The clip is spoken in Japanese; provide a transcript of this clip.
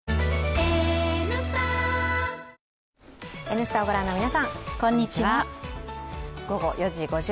「Ｎスタ」をご覧の皆さん、こんにちは。